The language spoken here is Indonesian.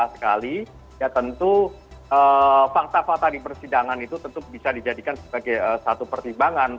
sekali ya tentu fakta fakta di persidangan itu tentu bisa dijadikan sebagai satu pertimbangan